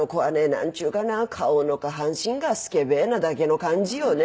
なんちゅうかな顔の下半身がスケベなだけの感じよね。